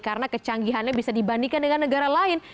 karena kecanggihannya bisa dibandingkan dengan negara lain